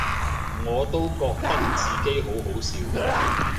我都覺得自己好好笑